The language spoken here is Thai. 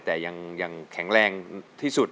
แต่ยังแข็งแรงที่สุด